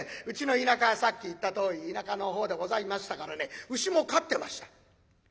うちの田舎はさっき言ったとおり田舎の方でございましたからね牛も飼ってました。